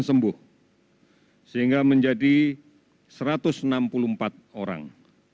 sembuh sehingga menjadi satu ratus enam puluh empat orang